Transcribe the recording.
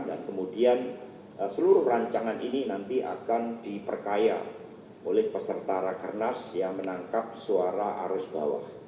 kemudian seluruh rancangan ini nanti akan diperkaya oleh peserta rakernas yang menangkap suara arus bawah